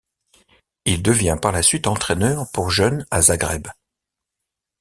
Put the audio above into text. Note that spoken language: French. Il devient par la suite entraîneur pour jeunes à Zagreb.